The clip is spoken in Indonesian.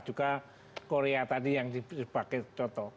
juga korea tadi yang sebagai contoh